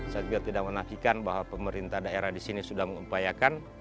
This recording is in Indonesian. saya juga tidak menafikan bahwa pemerintah daerah di sini sudah mengupayakan